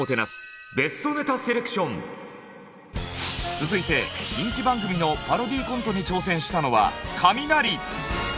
続いて人気番組のパロディーコントに挑戦したのはカミナリ。